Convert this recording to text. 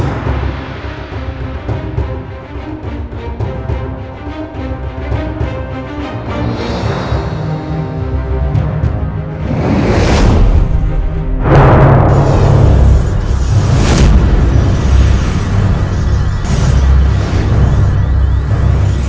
jangan lupa untuk berlangganan